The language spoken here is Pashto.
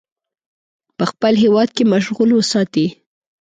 په خپل هیواد کې مشغول وساتي.